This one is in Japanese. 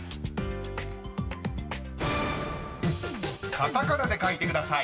［カタカナで書いてください］